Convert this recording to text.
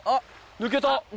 抜けた。